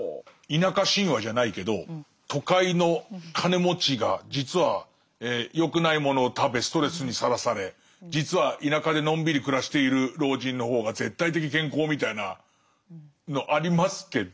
田舎神話じゃないけど都会の金持ちが実は良くないものを食べストレスにさらされ実は田舎でのんびり暮らしている老人の方が絶対的健康みたいなのありますけど。